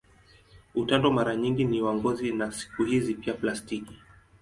Utando mara nyingi ni wa ngozi na siku hizi pia plastiki.